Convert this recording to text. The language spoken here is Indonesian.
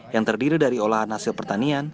yang terdiri dari olahan hasil pertanian